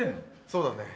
そうだね。